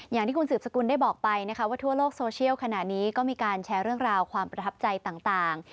อย่างที่คุณสืบสกุลได้บอกไปนะคะว่าทั่วโลกโซเชียลขณะนี้ก็มีการแชร์เรื่องราวความประทับใจต่าง